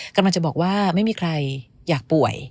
กำลังจะบอกว่าไม่มีใครอยากป่วย